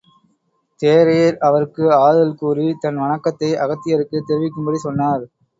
தேரையர் அவருக்கு ஆறுதல் கூறி, தன் வணக்கத்தை அகத்தியருக்கு தெரிவிக்கும்படி சொன்னார்.